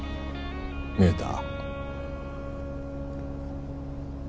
見えた。